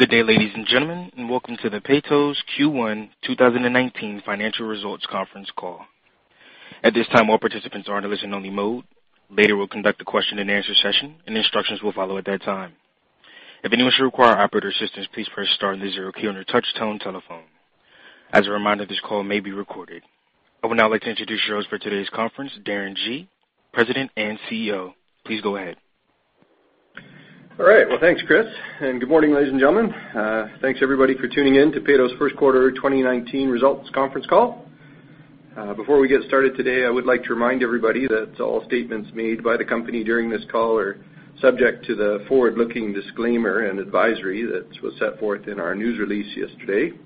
Good day, ladies and gentlemen. Welcome to Peyto's Q1 2019 Financial Results Conference Call. At this time, all participants are in a listen-only mode. Later, we'll conduct a question-and-answer session. Instructions will follow at that time. If anyone should require operator assistance, please press star and the 0 key on your touch-tone telephone. As a reminder, this call may be recorded. I would now like to introduce yours for today's conference, Darren Gee, President and CEO. Please go ahead. All right. Thanks, Chris. Good morning, ladies and gentlemen. Thanks everybody for tuning in to Peyto's first quarter 2019 results conference call. Before we get started today, I would like to remind everybody that all statements made by the company during this call are subject to the forward-looking disclaimer and advisory that was set forth in our news release yesterday.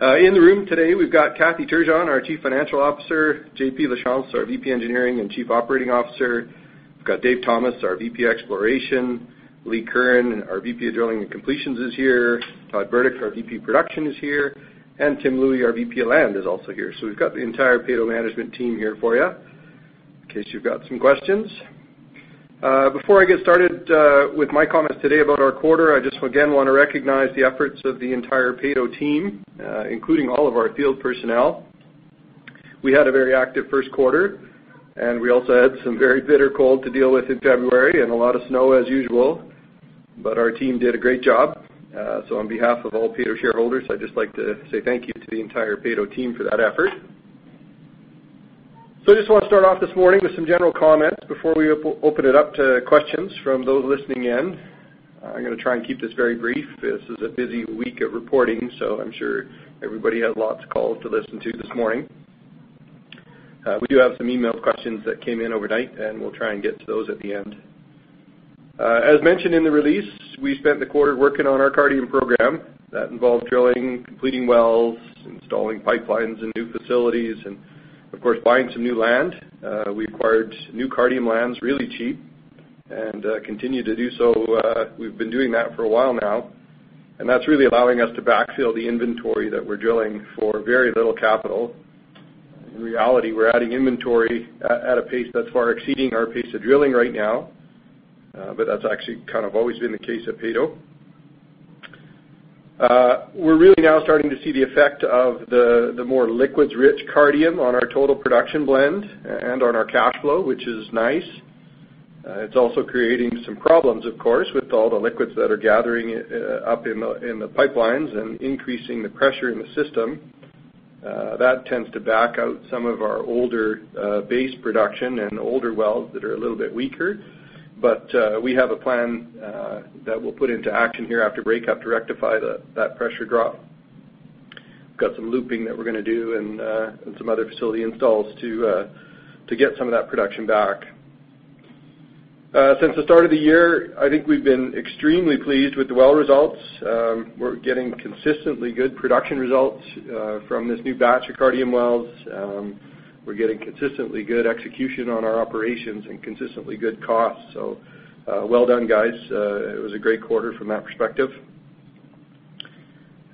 In the room today, we've got Kathy Turgeon, our Chief Financial Officer, JP Lachance, our VP Engineering and Chief Operating Officer. We've got Dave Thomas, our VP Exploration. Lee Curran, our VP of Drilling and Completions is here. Todd Burdick, our VP of Production is here. Tim Louie, our VP of Land is also here. We've got the entire Peyto management team here for you in case you've got some questions. Before I get started with my comments today about our quarter, I just again want to recognize the efforts of the entire Peyto team, including all of our field personnel. We had a very active first quarter. We also had some very bitter cold to deal with in February and a lot of snow as usual. Our team did a great job. On behalf of all Peyto shareholders, I'd just like to say thank you to the entire Peyto team for that effort. I just want to start off this morning with some general comments before we open it up to questions from those listening in. I'm going to try and keep this very brief. This is a busy week of reporting. I'm sure everybody has lots of calls to listen to this morning. We do have some email questions that came in overnight. We'll try and get to those at the end. As mentioned in the release, we spent the quarter working on our Cardium program. That involved drilling, completing wells, installing pipelines and new facilities. Of course, buying some new land. We acquired new Cardium lands really cheap and continue to do so. We've been doing that for a while now. That's really allowing us to backfill the inventory that we're drilling for very little capital. In reality, we're adding inventory at a pace that's far exceeding our pace of drilling right now. That's actually kind of always been the case at Peyto. We're really now starting to see the effect of the more liquids-rich Cardium on our total production blend and on our cash flow, which is nice. It's also creating some problems, of course, with all the liquids that are gathering up in the pipelines and increasing the pressure in the system. That tends to back out some of our older base production and older wells that are a little bit weaker. We have a plan that we'll put into action here after breakup to rectify that pressure drop. We've got some looping that we're going to do and some other facility installs to get some of that production back. Since the start of the year, I think we've been extremely pleased with the well results. We're getting consistently good production results from this new batch of Cardium wells. We're getting consistently good execution on our operations and consistently good costs. Well done, guys. It was a great quarter from that perspective.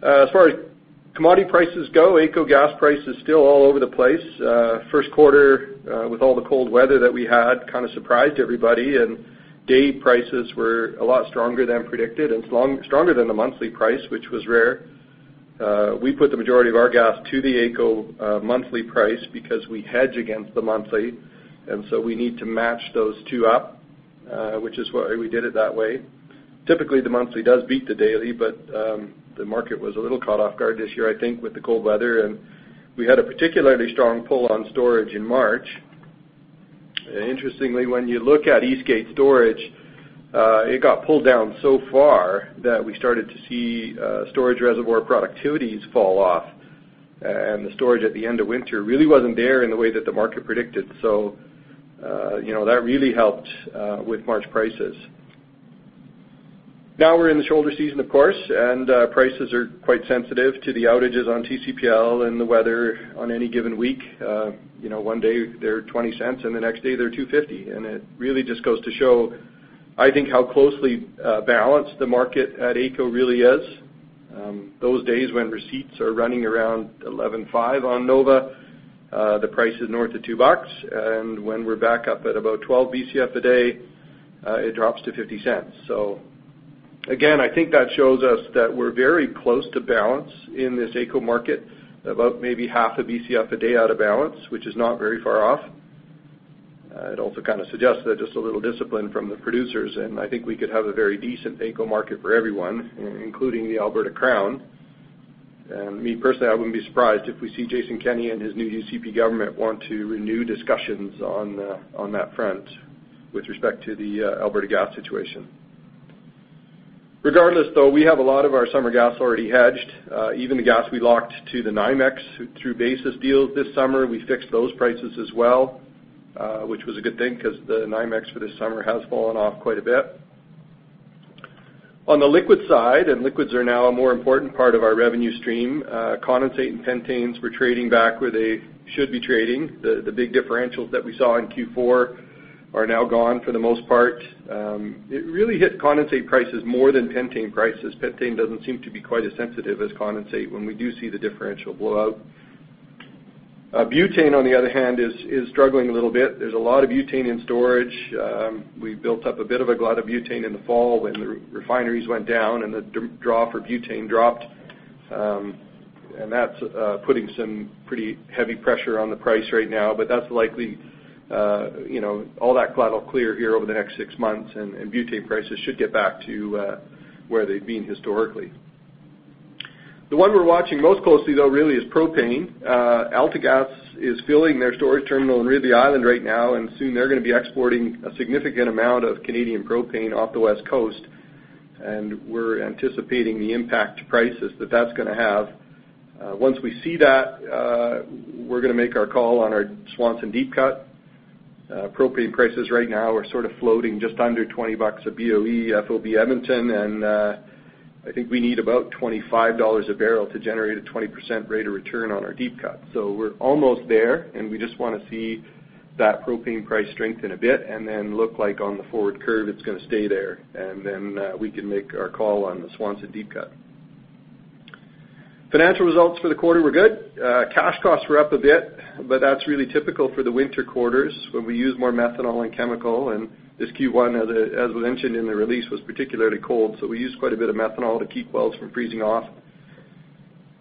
As far as commodity prices go, AECO gas price is still all over the place. First quarter, with all the cold weather that we had, surprised everybody, Day prices were a lot stronger than predicted, and stronger than the monthly price, which was rare. We put the majority of our gas to the AECO monthly price because we hedge against the monthly, We need to match those two up, which is why we did it that way. Typically, the monthly does beat the daily, The market was a little caught off guard this year, I think, with the cold weather, and we had a particularly strong pull on storage in March. Interestingly, when you look at Eastgate Storage, it got pulled down so far that we started to see storage reservoir productivities fall off, and the storage at the end of winter really wasn't there in the way that the market predicted. That really helped with March prices. We're in the shoulder season, of course, Prices are quite sensitive to the outages on TCPL and the weather on any given week. One day they're 0.20 and the next day they're 2.50. It really just goes to show, I think, how closely balanced the market at AECO really is. Those days when receipts are running around 11.5 on NOVA, the price is north of 2 bucks, and when we're back up at about 12 Bcf a day, it drops to 0.50. Again, I think that shows us that we're very close to balance in this AECO market, about maybe half a Bcf a day out of balance, which is not very far off. It also kind of suggests that just a little discipline from the producers, I think we could have a very decent AECO market for everyone, including the Alberta Crown. Me personally, I wouldn't be surprised if we see Jason Kenney and his new UCP government want to renew discussions on that front with respect to the Alberta gas situation. Regardless, though, we have a lot of our summer gas already hedged. Even the gas we locked to the NYMEX through basis deals this summer, we fixed those prices as well, which was a good thing because the NYMEX for this summer has fallen off quite a bit. On the liquid side, and liquids are now a more important part of our revenue stream, condensate and pentanes were trading back where they should be trading. The big differentials that we saw in Q4 are now gone for the most part. It really hit condensate prices more than pentane prices. Pentane doesn't seem to be quite as sensitive as condensate when we do see the differential blow out. Butane, on the other hand, is struggling a little bit. There's a lot of butane in storage. We built up a bit of a glut of butane in the fall when the refineries went down, and the draw for butane dropped. That's putting some pretty heavy pressure on the price right now, that's likely all that glut will clear here over the next six months, and butane prices should get back to where they've been historically. The one we're watching most closely, though, really is propane. AltaGas is filling their storage terminal in Ridley Island right now, they're going to be exporting a significant amount of Canadian propane off the West Coast, we're anticipating the impact to prices that that's going to have. Once we see that, we're going to make our call on our Swanson deep cut. Propane prices right now are sort of floating just under 20 bucks a BOE FOB Edmonton, I think we need about 25 dollars a barrel to generate a 20% rate of return on our deep cut. We're almost there, we just want to see that propane price strengthen a bit look like on the forward curve it's going to stay there. We can make our call on the Swanson deep cut. Financial results for the quarter were good. Cash costs were up a bit, that's really typical for the winter quarters when we use more methanol and chemical, and this Q1, as was mentioned in the release, was particularly cold. We used quite a bit of methanol to keep wells from freezing off.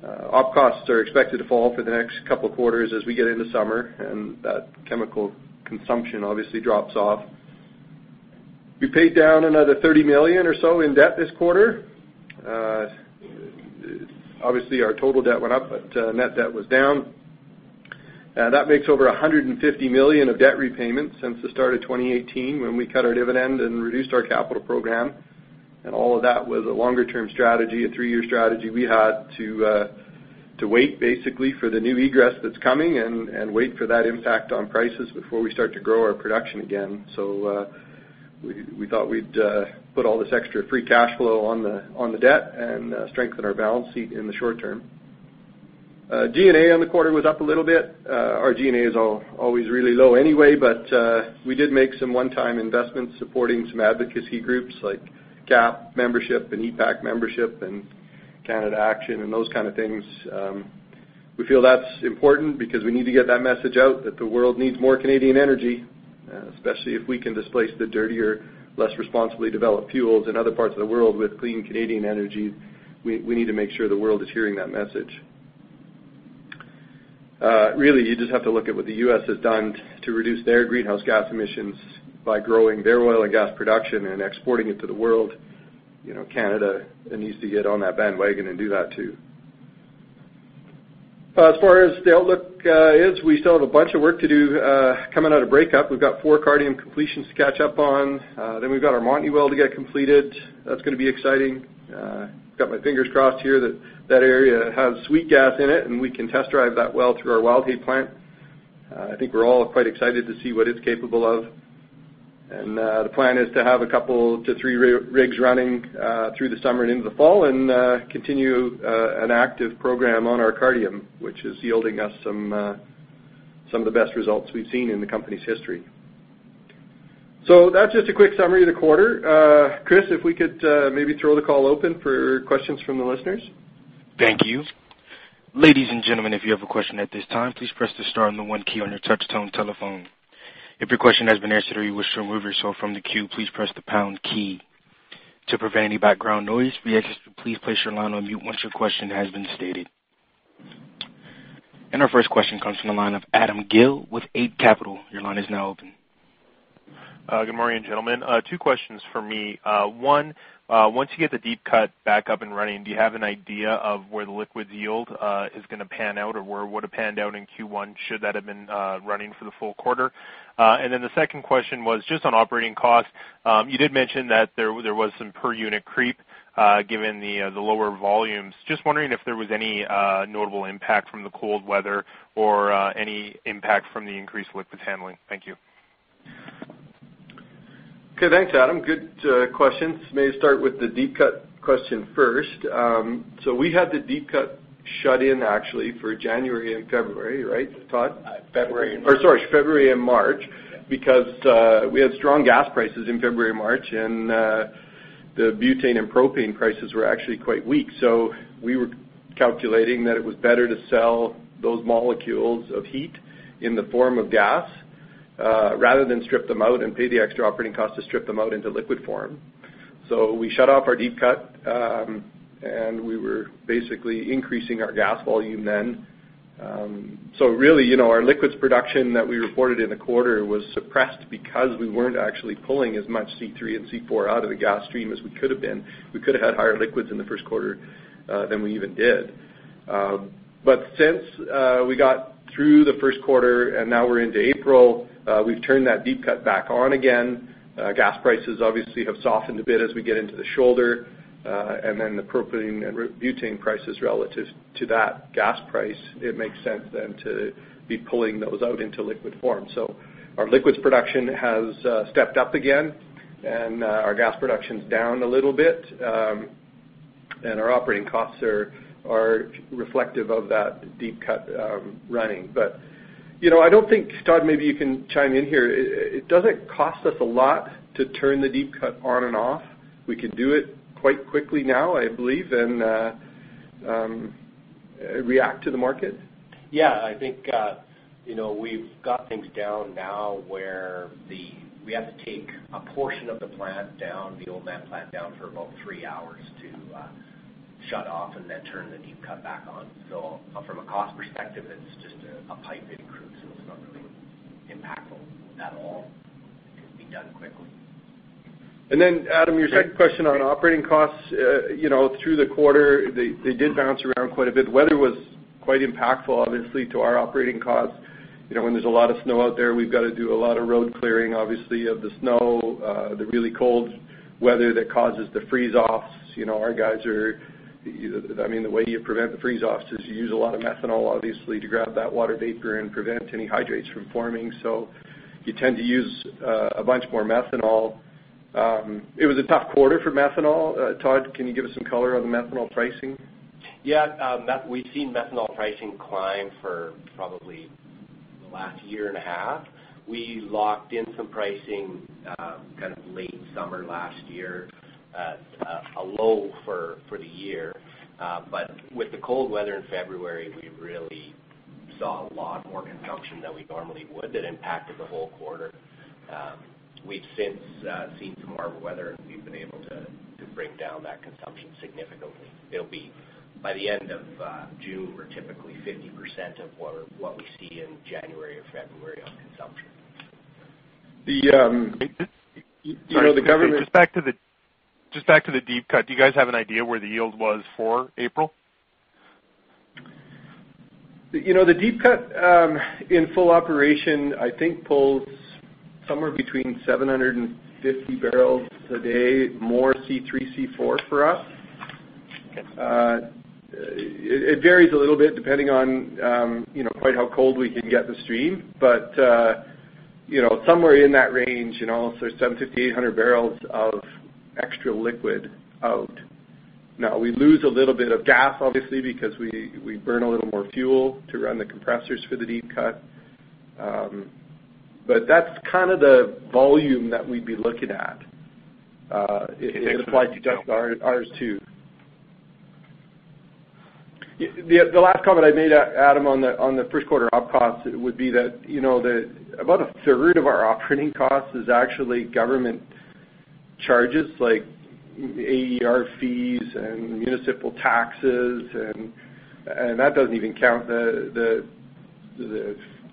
Op costs are expected to fall for the next couple of quarters as we get into summer, that chemical consumption obviously drops off. We paid down another 30 million or so in debt this quarter. Obviously, our total debt went up, net debt was down. That makes over 150 million of debt repayment since the start of 2018, when we cut our dividend and reduced our capital program, all of that was a longer-term strategy, a three-year strategy. We had to wait basically for the new egress that's coming and wait for that impact on prices before we start to grow our production again. We thought we'd put all this extra free cash flow on the debt strengthen our balance sheet in the short term. G&A on the quarter was up a little bit. Our G&A is always really low anyway, we did make some one-time investments supporting some advocacy groups like CAPP membership, EPAC membership, Canada Action, those kind of things. We feel that's important because we need to get that message out that the world needs more Canadian energy, especially if we can displace the dirtier, less responsibly developed fuels in other parts of the world with clean Canadian energy. We need to make sure the world is hearing that message. Really, you just have to look at what the U.S. has done to reduce their greenhouse gas emissions by growing their oil and gas production and exporting it to the world. Canada needs to get on that bandwagon and do that, too. As far as the outlook is, we still have a bunch of work to do coming out of breakup. We've got four Cardium completions to catch up on. We've got our Montney well to get completed. That's going to be exciting. Got my fingers crossed here that that area has sweet gas in it, and we can test drive that well through our Wildhay plant. I think we're all quite excited to see what it's capable of. The plan is to have a couple to three rigs running through the summer and into the fall and continue an active program on our Cardium, which is yielding us some of the best results we've seen in the company's history. That's just a quick summary of the quarter. Chris, if we could maybe throw the call open for questions from the listeners. Thank you. Ladies and gentlemen, if you have a question at this time, please press the star and the one key on your touch-tone telephone. If your question has been answered or you wish to remove yourself from the queue, please press the pound key. To prevent any background noise, we ask that you please place your line on mute once your question has been stated. Our first question comes from the line of Adam Gill with Eight Capital. Your line is now open. Good morning, gentlemen. two questions for me. one, once you get the deep cut back up and running, do you have an idea of where the liquids yield is going to pan out, or would have panned out in Q1, should that have been running for the full quarter? The second question was just on operating cost. You did mention that there was some per unit creep given the lower volumes. Just wondering if there was any notable impact from the cold weather or any impact from the increased liquids handling. Thank you. Okay. Thanks, Adam. Good questions. May start with the deep cut question first. We had the deep cut shut in actually for January and February, right, Todd? February and March. Sorry, February and March, because we had strong gas prices in February, March, and the butane and propane prices were actually quite weak. We were calculating that it was better to sell those molecules of heat in the form of gas, rather than strip them out and pay the extra operating cost to strip them out into liquid form. We shut off our deep cut, and we were basically increasing our gas volume then. Really, our liquids production that we reported in the quarter was suppressed because we weren't actually pulling as much C3 and C4 out of the gas stream as we could've been. We could've had higher liquids in the first quarter than we even did. Since we got through the first quarter and now we're into April, we've turned that deep cut back on again. Gas prices obviously have softened a bit as we get into the shoulder, and then the propane and butane prices relative to that gas price, it makes sense then to be pulling those out into liquid form. Our liquids production has stepped up again, and our gas production's down a little bit. Our operating costs are reflective of that deep cut running, but I don't think, Todd, maybe you can chime in here. It doesn't cost us a lot to turn the deep cut on and off. We can do it quite quickly now, I believe, and react to the market. Yeah, I think we've got things down now where we have to take a portion of the plant down, the old plant down for about 3 hours to shut off and then turn the deep cut back on. From a cost perspective, it's just a pipe and crew, so it's not really impactful at all. It can be done quickly. Adam, your second question on operating costs. Through the quarter, they did bounce around quite a bit. Weather was quite impactful, obviously, to our operating costs. When there's a lot of snow out there, we've got to do a lot of road clearing, obviously, of the snow, the really cold weather that causes the freeze-offs. The way you prevent the freeze-offs is you use a lot of methanol, obviously, to grab that water vapor and prevent any hydrates from forming. You tend to use a bunch more methanol. It was a tough quarter for methanol. Todd, can you give us some color on the methanol pricing? Yeah. We've seen methanol pricing climb for probably the last year and a half. We locked in some pricing kind of late summer last year at a low for the year. With the cold weather in February, we really saw a lot more consumption than we normally would that impacted the whole quarter. We've since seen some warmer weather, and we've been able to bring down that consumption significantly. By the end of June, we're typically 50% of what we see in January or February on consumption. The- Sorry. The government- Just back to the deep cut, do you guys have an idea where the yield was for April? The deep cut, in full operation, I think pulls somewhere between 750 barrels a day, more C3, C4 for us. Okay. It varies a little bit depending on quite how cold we can get the stream, but somewhere in that range, so 750, 800 barrels of extra liquid out. Now, we lose a little bit of gas, obviously, because we burn a little more fuel to run the compressors for the deep cut. That's kind of the volume that we'd be looking at. Okay, thanks for that. It applies to just ours too. The last comment I'd make, Adam, on the first quarter op costs would be that about a third of our operating cost is actually government charges like AER fees and municipal taxes, and that doesn't even count the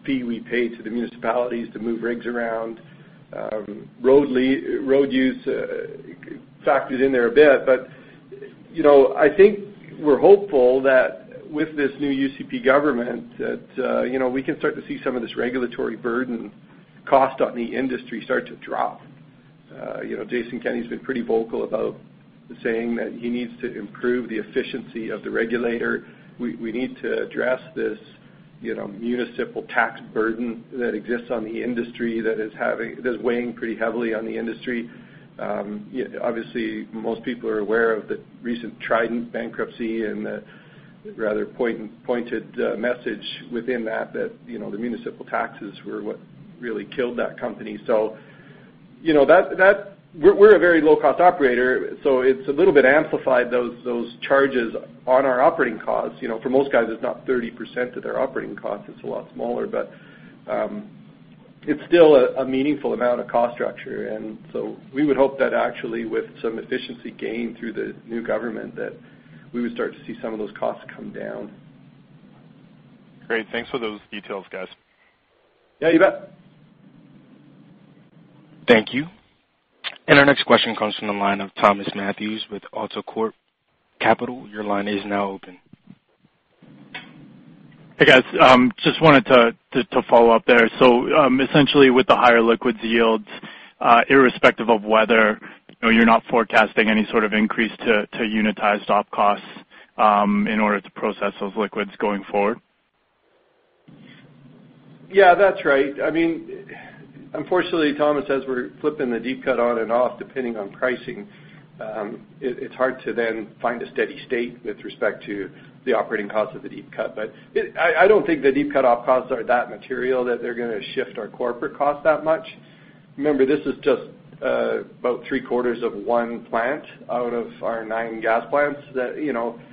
fee we pay to the municipalities to move rigs around. Road use factors in there a bit. I think we're hopeful that with this new UCP government, that we can start to see some of this regulatory burden cost on the industry start to drop. Jason Kenney's been pretty vocal about saying that he needs to improve the efficiency of the regulator. We need to address this municipal tax burden that exists on the industry, that is weighing pretty heavily on the industry. Obviously, most people are aware of the recent Trident bankruptcy and the rather pointed message within that the municipal taxes were what really killed that company. We're a very low-cost operator. It's a little bit amplified, those charges on our operating costs. For most guys, it's not 30% of their operating cost. It's a lot smaller. It's still a meaningful amount of cost structure. We would hope that actually with some efficiency gain through the new government, that we would start to see some of those costs come down. Great. Thanks for those details, guys. Yeah, you bet. Thank you. Our next question comes from the line of Thomas Matthews with AltaCorp Capital. Your line is now open. Hey, guys. Just wanted to follow up there. Essentially with the higher liquids yields, irrespective of whether you're not forecasting any sort of increase to unitized op costs in order to process those liquids going forward? Yeah, that's right. Unfortunately, Thomas, as we're flipping the deep cut on and off depending on pricing, it's hard to then find a steady state with respect to the operating cost of the deep cut. I don't think the deep cut op costs are that material that they're going to shift our corporate cost that much. Remember, this is just about three-quarters of one plant out of our nine gas plants. It's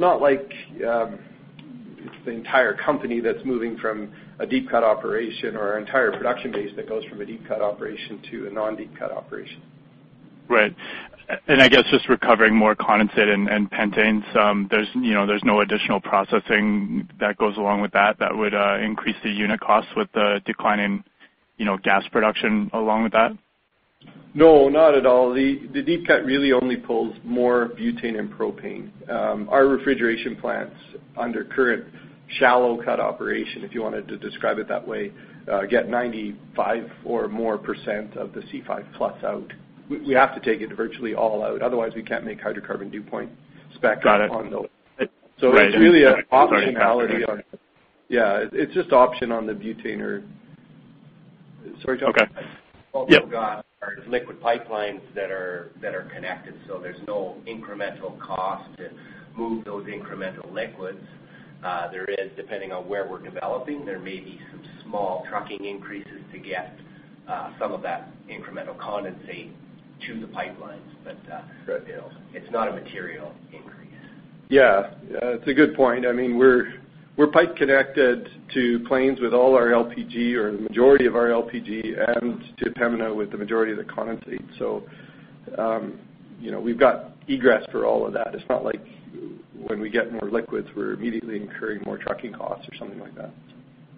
not like it's the entire company that's moving from a deep cut operation or our entire production base that goes from a deep cut operation to a non-deep cut operation. Right. I guess just recovering more condensate and pentanes, there's no additional processing that goes along with that would increase the unit cost with the decline in gas production along with that? No, not at all. The deep cut really only pulls more butane and propane. Our refrigeration plants under current shallow cut operation, if you wanted to describe it that way, get 95% or more of the C5 plus out. We have to take it virtually all out. Otherwise, we can't make hydrocarbon dew point spec- Got it on the. It's really an optionality. Yeah, it's just option on the butane. Sorry, Todd. Okay. Yeah. Also got our liquid pipelines that are connected, so there's no incremental cost to move those incremental liquids. There is, depending on where we're developing, there may be some small trucking increases to get some of that incremental condensate to the pipelines. Right It's not a material increase. Yeah. It's a good point. We're pipe connected to Plains with all our LPG or the majority of our LPG and to Pembina with the majority of the condensate. We've got egress for all of that. It's not like when we get more liquids, we're immediately incurring more trucking costs or something like that.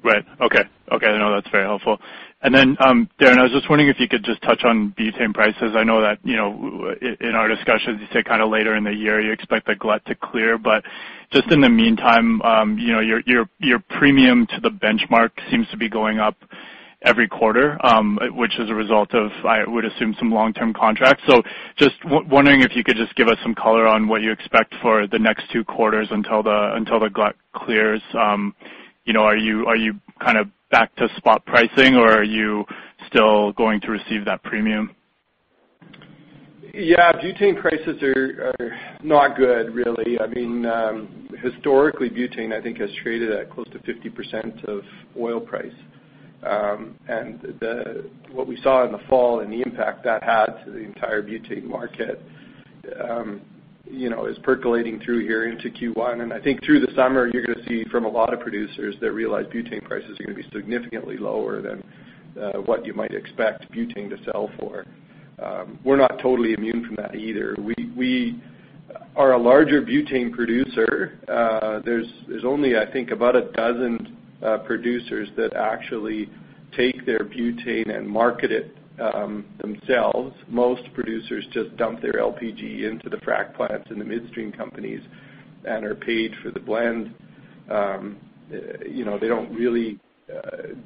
Right. Okay. No, that's very helpful. Darren, I was just wondering if you could just touch on butane prices. I know that, in our discussions, you said later in the year you expect the glut to clear. In the meantime, your premium to the benchmark seems to be going up every quarter, which is a result of, I would assume, some long-term contracts. Just wondering if you could just give us some color on what you expect for the next two quarters until the glut clears. Are you back to spot pricing, or are you still going to receive that premium? Yeah. Butane prices are not good, really. Historically, butane, I think has traded at close to 50% of oil price. What we saw in the fall and the impact that had to the entire butane market, is percolating through here into Q1. I think through the summer, you're going to see from a lot of producers that realize butane prices are going to be significantly lower than what you might expect butane to sell for. We're not totally immune from that either. We are a larger butane producer. There's only, I think, about a dozen producers that actually take their butane and market it themselves. Most producers just dump their LPG into the frack plants and the midstream companies and are paid for the blend. They don't really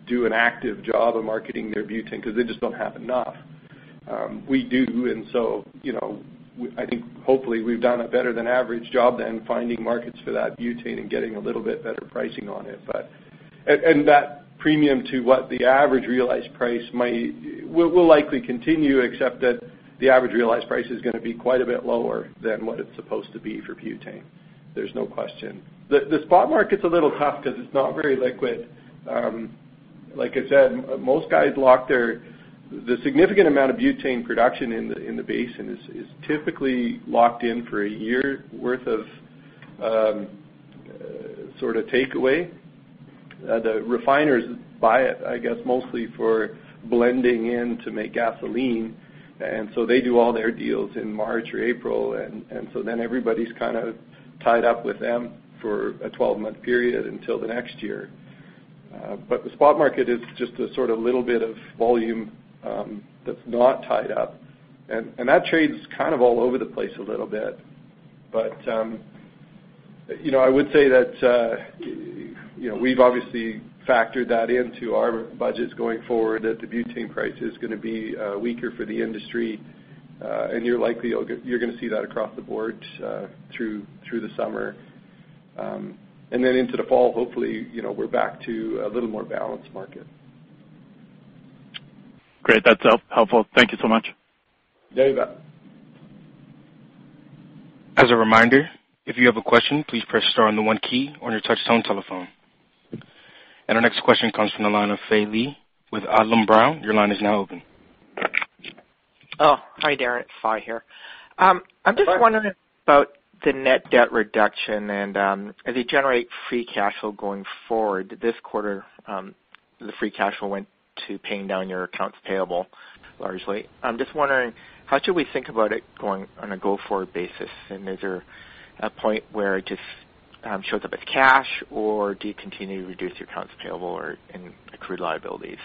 do an active job of marketing their butane because they just don't have enough. We do. I think hopefully we've done a better than average job than finding markets for that butane and getting a little bit better pricing on it. That premium to what the average realized price will likely continue, except that the average realized price is going to be quite a bit lower than what it's supposed to be for butane. There's no question. The spot market's a little tough because it's not very liquid. Like I said, most guys lock their significant amount of butane production in the basin is typically locked in for a year worth of sort of takeaway. The refiners buy it, I guess, mostly for blending in to make gasoline. They do all their deals in March or April. Everybody's tied up with them for a 12-month period until the next year. The spot market is just a sort of little bit of volume that's not tied up. That trades kind of all over the place a little bit. I would say that we've obviously factored that into our budgets going forward, that the butane price is going to be weaker for the industry. You're going to see that across the board through the summer. Into the fall, hopefully, we're back to a little more balanced market. Great. That is helpful. Thank you so much. Very well. As a reminder, if you have a question, please press star on the one key on your touchtone telephone. Our next question comes from the line of Faye Lee with Adlam Brown. Your line is now open. Oh, hi, Darren. It is Faye here. Hi. I'm just wondering about the net debt reduction and, as you generate free cash flow going forward, this quarter, the free cash flow went to paying down your accounts payable largely. I'm just wondering, how should we think about it going on a go-forward basis? Is there a point where it just shows up as cash, or do you continue to reduce your accounts payable or, and accrued liabilities?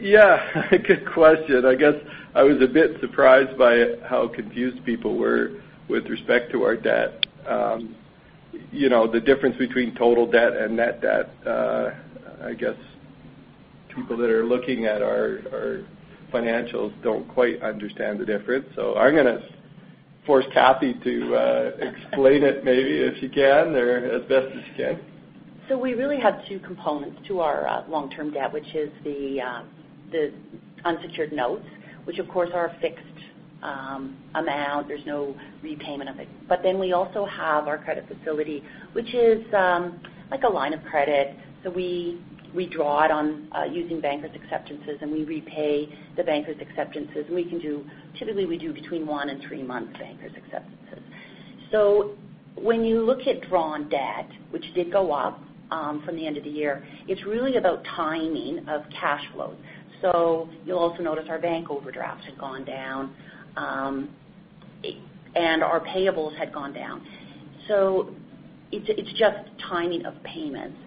Yeah. Good question. I guess I was a bit surprised by how confused people were with respect to our debt. The difference between total debt and net debt, I guess people that are looking at our financials don't quite understand the difference. I'm going to force Kathy to explain it maybe if she can or as best as she can. We really have two components to our long-term debt, which is the unsecured notes, which of course, are a fixed amount. There's no repayment of it. We also have our credit facility, which is like a line of credit, we draw it on using bankers' acceptances, and we repay the bankers' acceptances. Typically, we do between one and three months bankers' acceptances. When you look at drawn debt, which did go up from the end of the year, it's really about timing of cash flow. You'll also notice our bank overdrafts had gone down, and our payables had gone down. It's just timing of payments.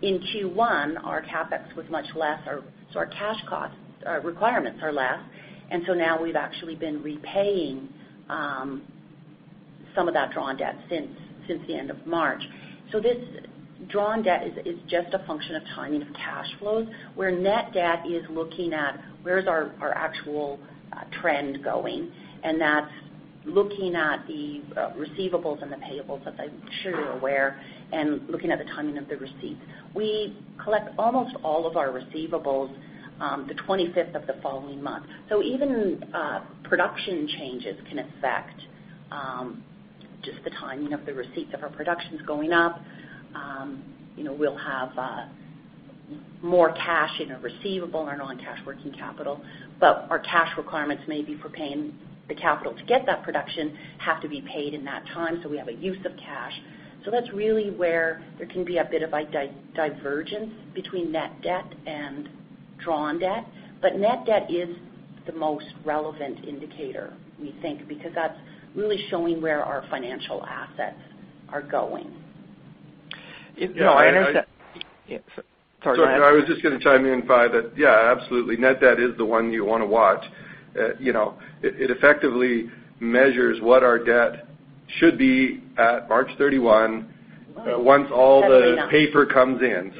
In Q1, our CapEx was much less, our cash requirements are less. Now we've actually been repaying some of that drawn debt since the end of March. This drawn debt is just a function of timing of cash flows, where net debt is looking at where's our actual trend going. Looking at the receivables and the payables, as I'm sure you're aware, and looking at the timing of the receipts. We collect almost all of our receivables the 25th of the following month. Even production changes can affect just the timing of the receipts. If our production's going up, we'll have more cash in a receivable and our non-cash working capital. Our cash requirements may be for paying the capital to get that production, have to be paid in that time, so we have a use of cash. That's really where there can be a bit of a divergence between net debt and drawn debt. Net debt is the most relevant indicator, we think, because that's really showing where our financial assets are going. No, I said Sorry. Go ahead. Sorry. I was just going to chime in, Faye, that, yeah, absolutely. Net debt is the one you want to watch. It effectively measures what our debt should be at March 31- Right. 30th. once all the paper comes in.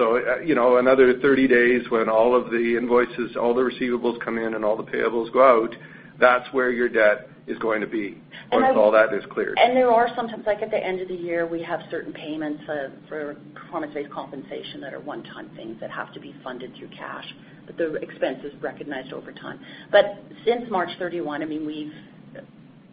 Another 30 days when all of the invoices, all the receivables come in and all the payables go out, that's where your debt is going to be. And I would- once all that is cleared. There are some times, like at the end of the year, we have certain payments for compensation that are one-time things that have to be funded through cash, but the expense is recognized over time. Since March 31,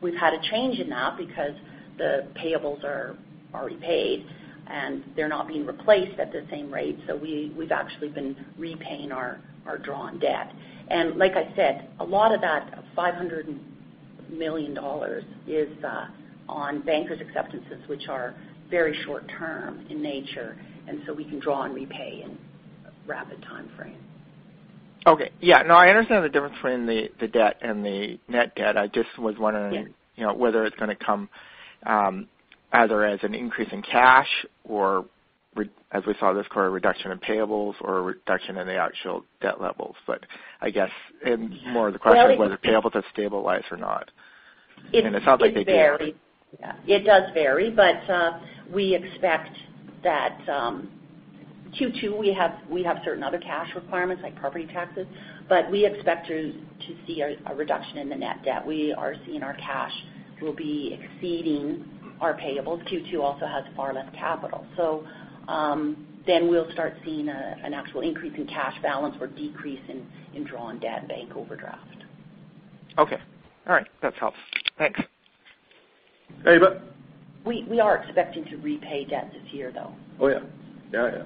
we've had a change in that because the payables are already paid, and they're not being replaced at the same rate. We've actually been repaying our drawn debt. Like I said, a lot of that 500 million dollars is on bankers' acceptances, which are very short-term in nature, and so we can draw and repay in a rapid timeframe. Okay. Yeah, no, I understand the difference between the debt and the net debt. I just was wondering. Yeah Whether it's going to come either as an increase in cash or, as we saw this quarter, a reduction in payables or a reduction in the actual debt levels. I guess, and more of the question. Well. Is whether payables have stabilized or not. It sounds like they did. It varies. Yeah. It does vary, but we expect that Q2, we have certain other cash requirements, like property taxes, but we expect to see a reduction in the net debt. We are seeing our cash will be exceeding our payables. Q2 also has far less capital. We'll start seeing an actual increase in cash balance or decrease in drawn debt and bank overdraft. Okay. All right. That helps. Thanks. [Ava]? We are expecting to repay debt this year, though. Oh, yeah.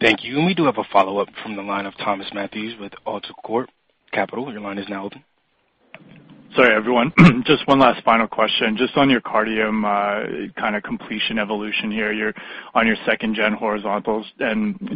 Thank you. We do have a follow-up from the line of Thomas Matthews with AltaCorp Capital. Your line is now open. Sorry, everyone. Just one last final question. Just on your Cardium kind of completion evolution here, you're on your 2nd-gen horizontals.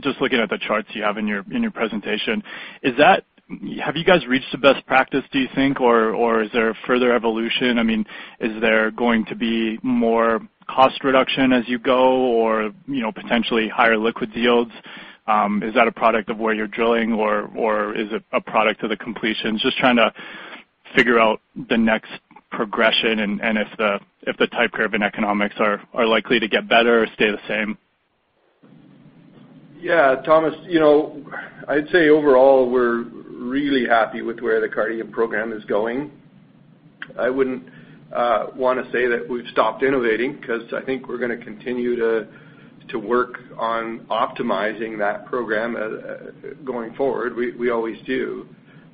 Just looking at the charts you have in your presentation, have you guys reached the best practice, do you think, or is there further evolution? Is there going to be more cost reduction as you go or potentially higher liquid yields? Is that a product of where you're drilling or is it a product of the completion? Just trying to figure out the next progression and if the type curve and economics are likely to get better or stay the same. Yeah. Thomas, I'd say overall, we're really happy with where the Cardium program is going. I wouldn't want to say that we've stopped innovating because I think we're going to continue to work on optimizing that program going forward. We always do.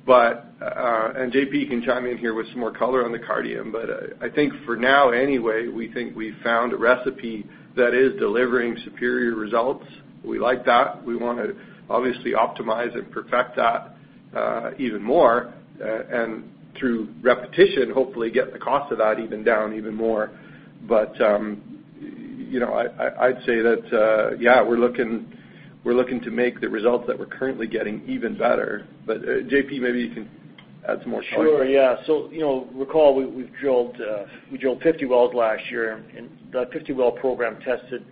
JP can chime in here with some more color on the Cardium. I think for now anyway, we think we've found a recipe that is delivering superior results. We like that. We want to obviously optimize and perfect that even more, and through repetition, hopefully get the cost of that down even more. I'd say that, yeah, we're looking to make the results that we're currently getting even better. JP, maybe you can add some more color. Recall, we drilled 50 wells last year, and that 50-well program tested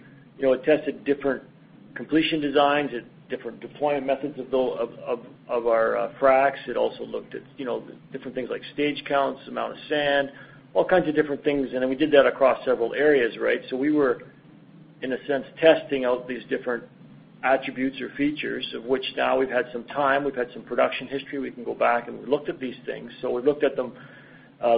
different completion designs, different deployment methods of our fracs. It also looked at different things like stage counts, amount of sand, all kinds of different things. We did that across several areas, right? We were, in a sense, testing out these different attributes or features, of which now we've had some time, we've had some production history, we can go back. We looked at these things. We looked at them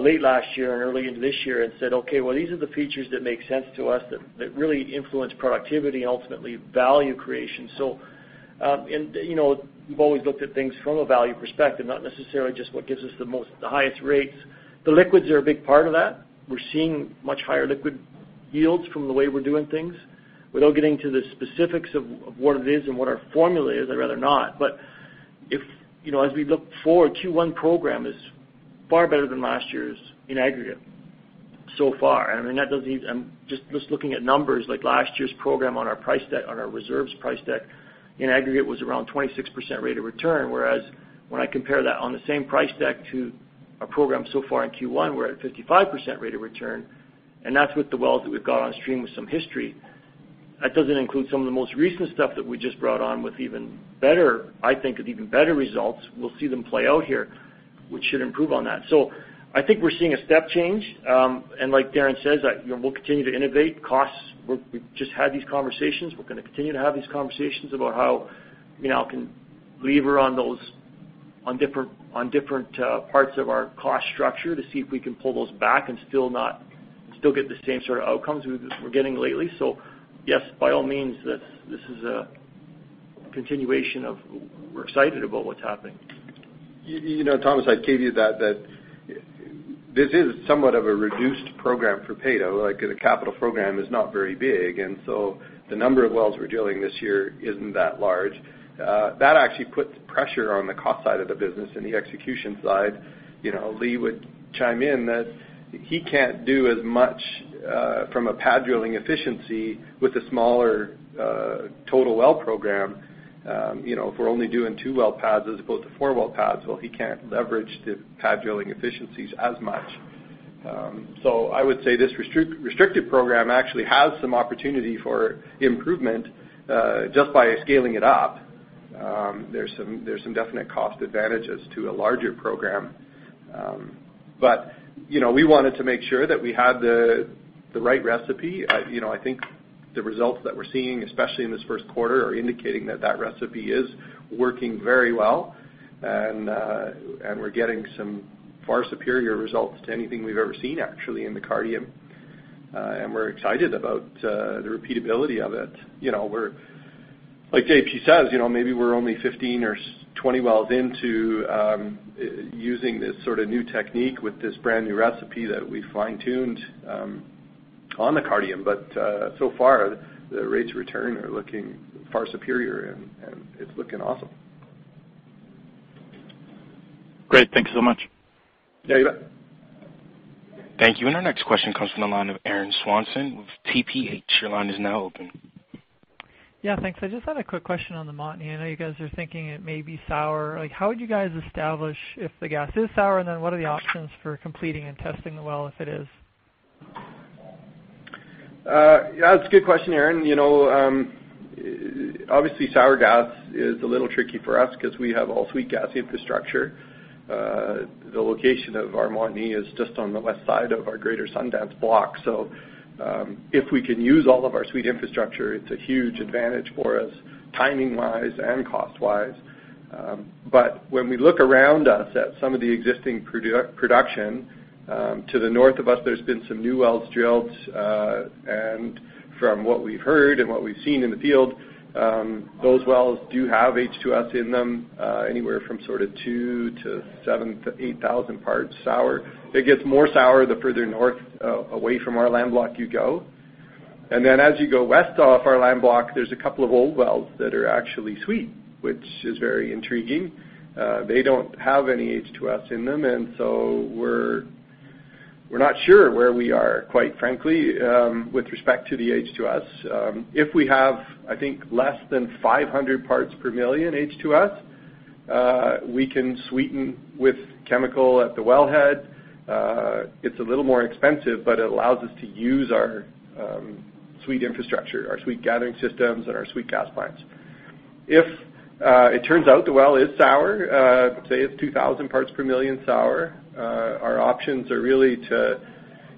late last year and early into this year and said, "Okay, these are the features that make sense to us that really influence productivity and ultimately value creation." We've always looked at things from a value perspective, not necessarily just what gives us the highest rates. The liquids are a big part of that. We're seeing much higher liquid yields from the way we're doing things. Without getting to the specifics of what it is and what our formula is, I'd rather not. As we look forward, Q1 program is far better than last year's in aggregate so far. Just looking at numbers, like last year's program on our reserves price deck in aggregate was around 26% rate of return, whereas when I compare that on the same price deck to our program so far in Q1, we're at 55% rate of return, and that's with the wells that we've got on stream with some history. That doesn't include some of the most recent stuff that we just brought on with even better results. We'll see them play out here, which should improve on that. I think we're seeing a step change. Like Darren says, we'll continue to innovate costs. We've just had these conversations. We're going to continue to have these conversations about how can- lever on different parts of our cost structure to see if we can pull those back and still get the same sort of outcomes we're getting lately. Yes, by all means, this is a continuation of we're excited about what's happening. Thomas, I'd caveat that this is somewhat of a reduced program for Peyto. The capital program is not very big, the number of wells we're drilling this year isn't that large. That actually puts pressure on the cost side of the business and the execution side. Lee would chime in that he can't do as much from a pad drilling efficiency with a smaller total well program. If we're only doing two well pads as opposed to four well pads, well, he can't leverage the pad drilling efficiencies as much. I would say this restrictive program actually has some opportunity for improvement just by scaling it up. There's some definite cost advantages to a larger program. We wanted to make sure that we had the right recipe. I think the results that we're seeing, especially in this first quarter, are indicating that that recipe is working very well, and we're getting some far superior results to anything we've ever seen, actually, in the Cardium. We're excited about the repeatability of it. Like JP says, maybe we're only 15 or 20 wells into using this sort of new technique with this brand-new recipe that we fine-tuned on the Cardium. So far, the rates of return are looking far superior, and it's looking awesome. Great. Thank you so much. Yeah, you bet. Thank you. Our next question comes from the line of Aaron Swanson with TPH. Your line is now open. Yeah, thanks. I just had a quick question on the Montney. I know you guys are thinking it may be sour. How would you guys establish if the gas is sour, what are the options for completing and testing the well if it is? That's a good question, Aaron. Obviously, sour gas is a little tricky for us because we have all sweet gas infrastructure. The location of our Montney is just on the left side of our greater Sundance block. If we can use all of our sweet infrastructure, it's a huge advantage for us timing-wise and cost-wise. When we look around us at some of the existing production, to the north of us, there's been some new wells drilled, and from what we've heard and what we've seen in the field, those wells do have H2S in them, anywhere from sort of two to seven to 8,000 parts sour. It gets more sour the further north away from our land block you go. As you go west off our land block, there's a couple of old wells that are actually sweet, which is very intriguing. They don't have any H2S in them, we're not sure where we are, quite frankly, with respect to the H2S. If we have, I think, less than 500 parts per million H2S, we can sweeten with chemical at the wellhead. It's a little more expensive, but it allows us to use our sweet infrastructure, our sweet gathering systems, and our sweet gas plants. If it turns out the well is sour, say it's 2,000 parts per million sour, our options are really to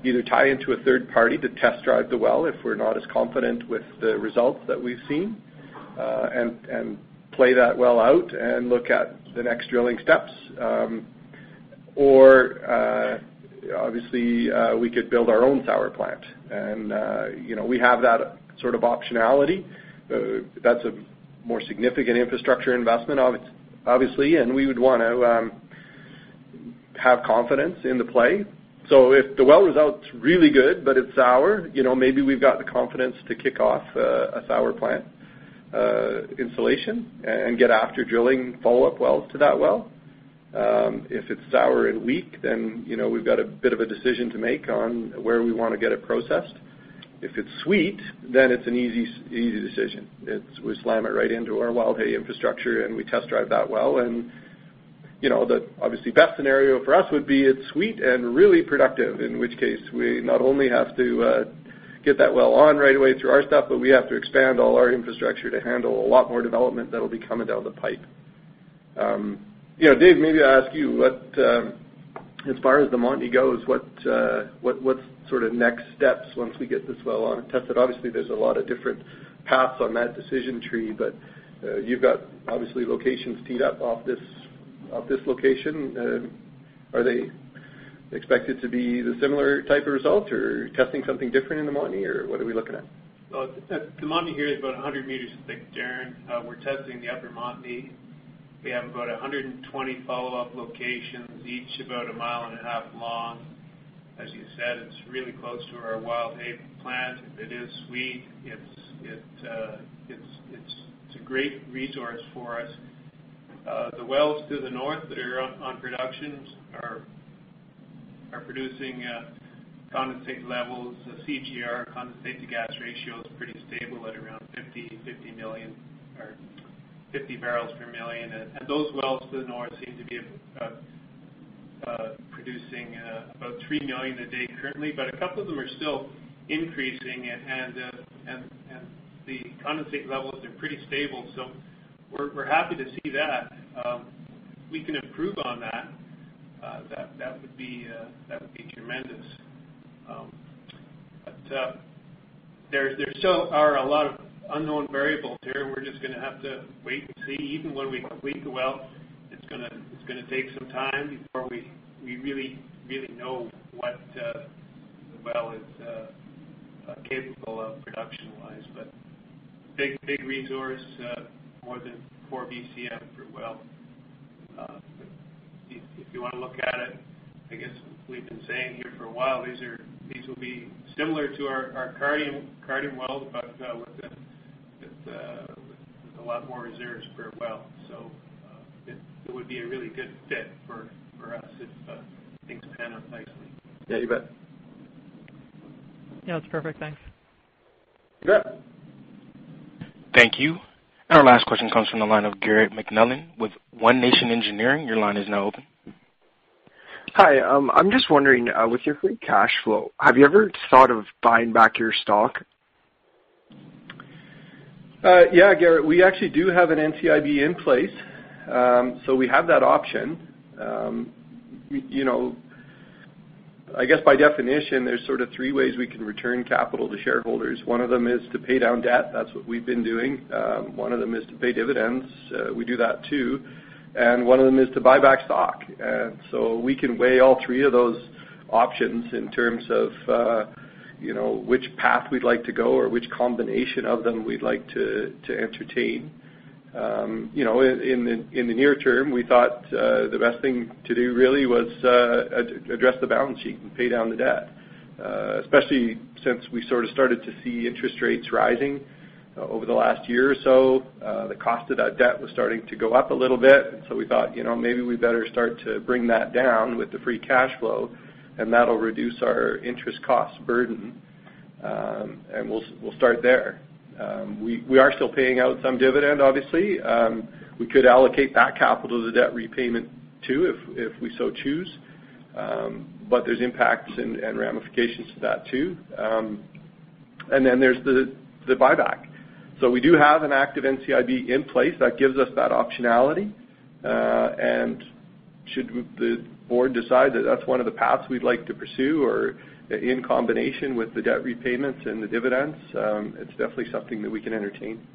either tie into a third party to test drive the well if we're not as confident with the results that we've seen, and play that well out and look at the next drilling steps. Obviously, we could build our own sour plant. We have that sort of optionality. That's a more significant infrastructure investment, obviously, and we would want to have confidence in the play. If the well result's really good, but it's sour, maybe we've got the confidence to kick off a sour plant installation and get after drilling follow-up wells to that well. If it's sour and weak, we've got a bit of a decision to make on where we want to get it processed. If it's sweet, it's an easy decision. We slam it right into our Wildhay infrastructure, and we test drive that well. The obviously best scenario for us would be it's sweet and really productive, in which case, we not only have to get that well on right away through our stuff, but we have to expand all our infrastructure to handle a lot more development that'll be coming down the pipe. Dave, maybe I ask you, as far as the Montney goes, what's sort of next steps once we get this well on and tested? Obviously, there's a lot of different paths on that decision tree, but you've got, obviously, locations teed up off this location. Are they expected to be the similar type of result? Are you testing something different in the Montney, or what are we looking at? The Montney here is about 100 meters thick, Darren. We're testing the upper Montney. We have about 120 follow-up locations, each about a mile and a half long. As you said, it's really close to our Wildhay plant. If it is sweet, it's a great resource for us. The wells to the north that are on production are producing condensate levels. The CGR, condensate to gas ratio, is pretty stable at around 50 million or 50 barrels per million. Those wells to the north seem to be producing about 3 million a day currently, a couple of them are still increasing, and the condensate levels are pretty stable. We're happy to see that. We can improve on that. That would be tremendous. There still are a lot of unknown variables here. We're just going to have to wait and see. Even when we complete the well, it's going to take some time before we really know what the well is capable of production-wise. Big resource, more than 4 Bcm per well. If you want to look at it, I guess we've been saying here for a while, these will be similar to our Cardium wells, with a lot more reserves per well. It would be a really good fit for us if things pan out nicely. Yeah, you bet. Yeah, that's perfect. Thanks. Yep. Thank you. Our last question comes from the line of Garrett McMullan with One Nation Engineering. Your line is now open. Hi. I'm just wondering, with your free cash flow, have you ever thought of buying back your stock? Yeah, Garrett, we actually do have an NCIB in place. We have that option. I guess by definition, there's sort of three ways we can return capital to shareholders. One of them is to pay down debt. That's what we've been doing. One of them is to pay dividends. We do that, too. One of them is to buy back stock. We can weigh all three of those options in terms of which path we'd like to go or which combination of them we'd like to entertain. In the near term, we thought the best thing to do really was address the balance sheet and pay down the debt. Especially since we sort of started to see interest rates rising over the last year or so. The cost of that debt was starting to go up a little bit. We thought, maybe we better start to bring that down with the free cash flow. That'll reduce our interest cost burden, and we'll start there. We are still paying out some dividend, obviously. We could allocate that capital to debt repayment too if we so choose. There's impacts and ramifications to that, too. Then there's the buyback. We do have an active NCIB in place that gives us that optionality. Should the board decide that that's one of the paths we'd like to pursue or in combination with the debt repayments and the dividends, it's definitely something that we can entertain.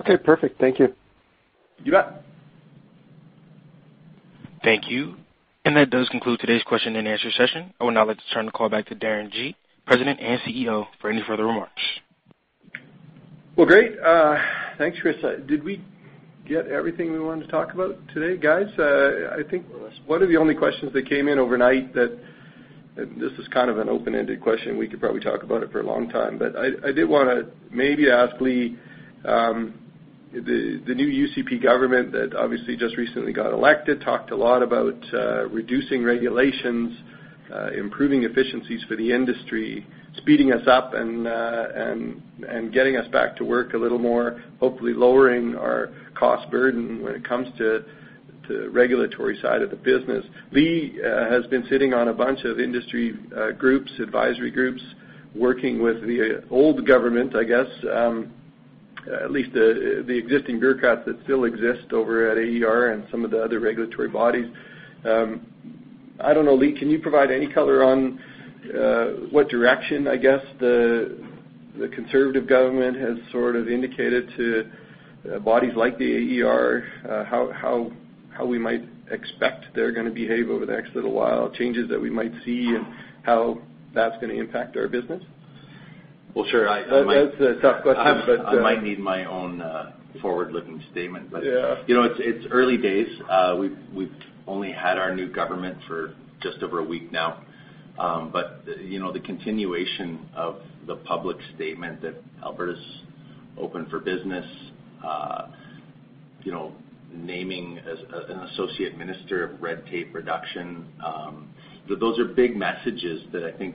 Okay, perfect. Thank you. You bet. Thank you. That does conclude today's question and answer session. I would now like to turn the call back to Darren Gee, President and CEO, for any further remarks. Well, great. Thanks, Chris. Did we get everything we wanted to talk about today, guys? Yes. One of the only questions that came in overnight. This is kind of an open-ended question. We could probably talk about it for a long time. I did want to maybe ask Lee, the new UCP government that obviously just recently got elected, talked a lot about reducing regulations, improving efficiencies for the industry, speeding us up and getting us back to work a little more, hopefully lowering our cost burden when it comes to regulatory side of the business. Lee has been sitting on a bunch of industry groups, advisory groups, working with the old government, I guess, at least the existing bureaucrats that still exist over at AER and some of the other regulatory bodies. I don't know, Lee, can you provide any color on what direction, I guess, the conservative government has sort of indicated to bodies like the AER how we might expect they're going to behave over the next little while, changes that we might see, and how that's going to impact our business? Well, sure. That's a tough question. I might need my own forward-looking statement. Yeah It's early days. We've only had our new government for just over a week now. The continuation of the public statement that Alberta's open for business, naming an associate minister of red tape reduction. Those are big messages that I think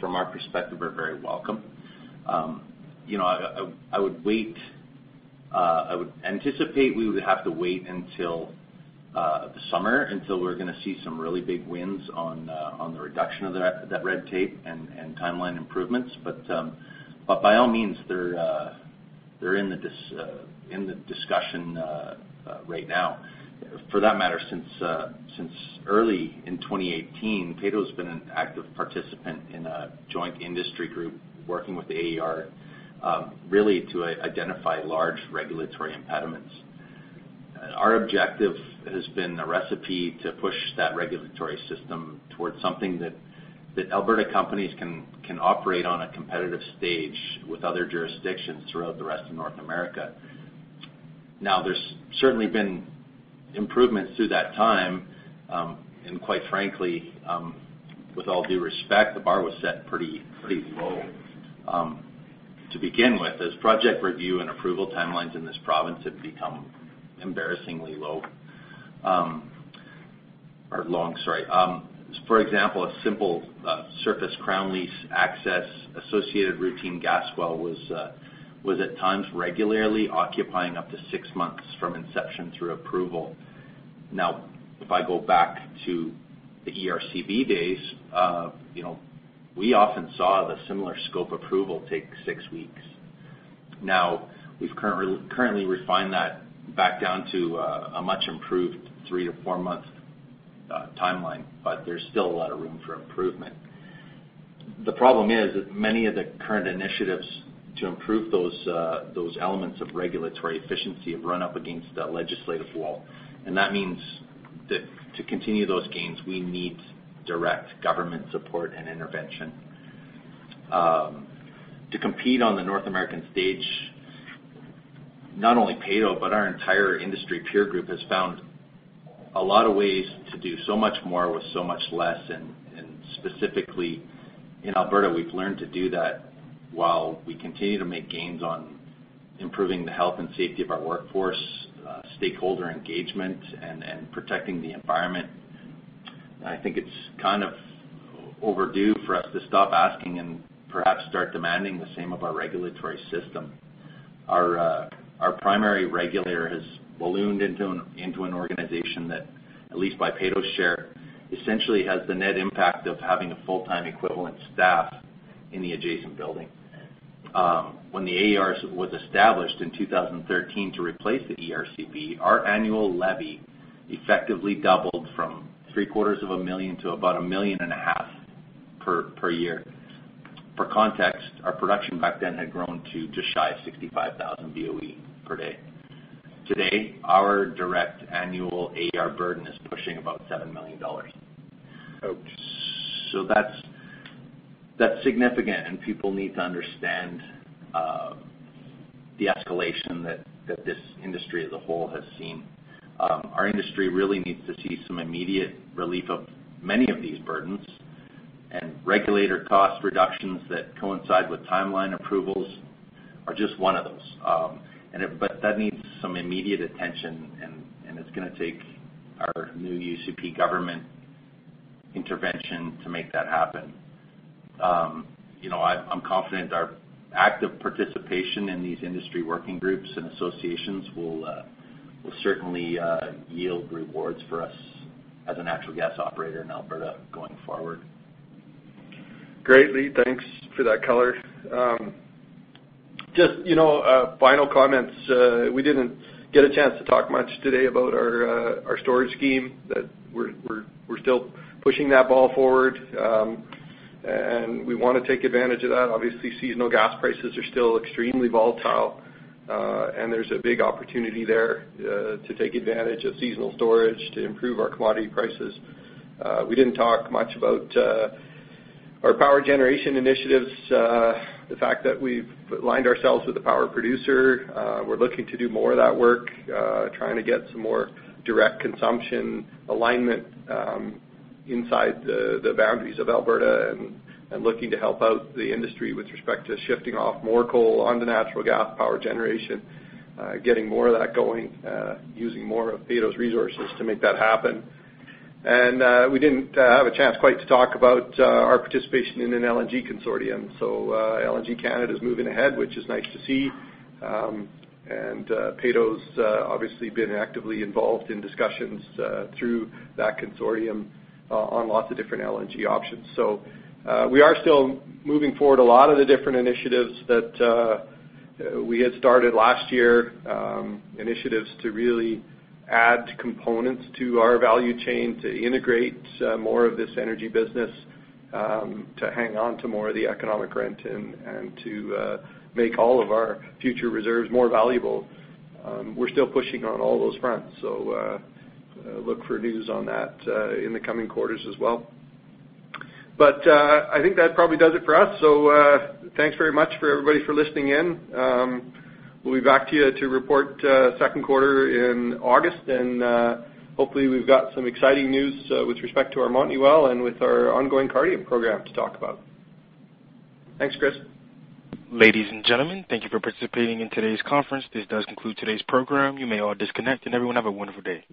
from our perspective, are very welcome. I would anticipate we would have to wait until the summer until we're going to see some really big wins on the reduction of that red tape and timeline improvements. By all means, they're in the discussion right now. For that matter, since early in 2018, Peyto's been an active participant in a joint industry group working with the AER really to identify large regulatory impediments. Our objective has been a recipe to push that regulatory system towards something that Alberta companies can operate on a competitive stage with other jurisdictions throughout the rest of North America. There's certainly been improvements through that time, and quite frankly with all due respect, the bar was set pretty low to begin with, as project review and approval timelines in this province have become embarrassingly long, sorry. For example, a simple surface crown lease access associated routine gas well was at times regularly occupying up to 6 months from inception through approval. If I go back to the ERCB days, we often saw the similar scope approval take 6 weeks. We've currently refined that back down to a much improved 3 to 4-month timeline, but there's still a lot of room for improvement. The problem is that many of the current initiatives to improve those elements of regulatory efficiency have run up against the legislative wall, and that means that to continue those gains, we need direct government support and intervention. To compete on the North American stage, not only Peyto, but our entire industry peer group has found a lot of ways to do so much more with so much less. Specifically in Alberta, we've learned to do that while we continue to make gains on improving the health and safety of our workforce, stakeholder engagement, and protecting the environment. I think it's kind of overdue for us to stop asking and perhaps start demanding the same of our regulatory system. Our primary regulator has ballooned into an organization that, at least by Peyto's share, essentially has the net impact of having a full-time equivalent staff in the adjacent building. When the AER was established in 2013 to replace the ERCB, our annual levy effectively doubled from three-quarters of a million to about a million and a half per year. For context, our production back then had grown to just shy of 65,000 BOE per day. Today, our direct annual AER burden is pushing about 7 million dollars. Ouch. That's significant, people need to understand the escalation that this industry as a whole has seen. Our industry really needs to see some immediate relief of many of these burdens, regulator cost reductions that coincide with timeline approvals are just one of those. That needs some immediate attention, and it's going to take our new UCP government intervention to make that happen. I'm confident our active participation in these industry working groups and associations will certainly yield rewards for us as a natural gas operator in Alberta going forward. Great, Lee. Thanks for that color. Just final comments. We didn't get a chance to talk much today about our storage scheme, that we're still pushing that ball forward. We want to take advantage of that. Obviously, seasonal gas prices are still extremely volatile. There's a big opportunity there to take advantage of seasonal storage to improve our commodity prices. We didn't talk much about our power generation initiatives. The fact that we've aligned ourselves with a power producer. We're looking to do more of that work, trying to get some more direct consumption alignment inside the boundaries of Alberta, and looking to help out the industry with respect to shifting off more coal onto natural gas power generation. Getting more of that going, using more of Peyto's resources to make that happen. We didn't have a chance quite to talk about our participation in an LNG consortium. LNG Canada's moving ahead, which is nice to see. Peyto's obviously been actively involved in discussions through that consortium on lots of different LNG options. We are still moving forward a lot of the different initiatives that we had started last year. Initiatives to really add components to our value chain to integrate more of this energy business, to hang on to more of the economic rent, to make all of our future reserves more valuable. We're still pushing on all those fronts. Look for news on that in the coming quarters as well. I think that probably does it for us. Thanks very much for everybody for listening in. We'll be back to you to report second quarter in August, hopefully we've got some exciting news with respect to our Montney well and with our ongoing Cardium program to talk about. Thanks, Chris. Ladies and gentlemen, thank you for participating in today's conference. This does conclude today's program. You may all disconnect, and everyone have a wonderful day.